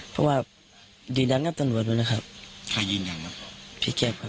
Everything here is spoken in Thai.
เพราะว่าดีดังกับตัวหน่วยด้วยนะครับใครยิงยังครับพี่แค๊ปครับ